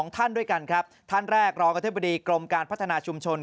ท่านด้วยกันครับท่านแรกรองอธิบดีกรมการพัฒนาชุมชน